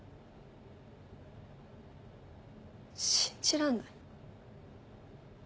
信じらんない。